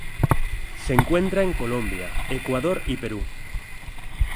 Se encuentra en Colombia, Ecuador y Perú.